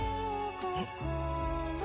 えっ。